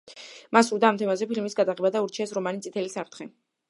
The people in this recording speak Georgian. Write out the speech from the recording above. მას სურდა ამ თემაზე ფილმის გადაღება და ურჩიეს რომანი „წითელი საფრთხე“.